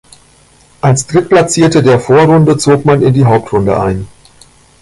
Als Drittplatzierte der Vorrunde zog man in die Hauptrunde ein.